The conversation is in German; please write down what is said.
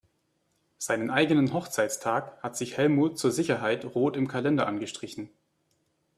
Seinen eigenen Hochzeitstag hat sich Helmut zur Sicherheit rot im Kalender angestrichen.